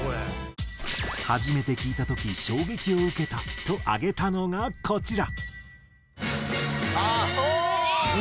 「初めて聴いた時衝撃を受けた」と挙げたのがこちら。